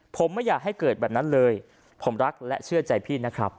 ผมไม่อยากให้เกิดแบบนั้นเลยผมรักและเชื่อใจพี่นะครับ